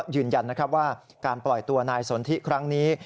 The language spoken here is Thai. ยืนยันว่าการปล่อยตัวนายสนทิครั้งนี้